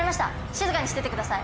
静かにしててください。